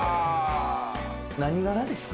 何柄ですか？